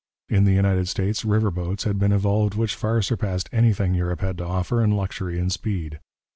In the United States, river boats had been evolved which far surpassed anything Europe had to offer in luxury and speed.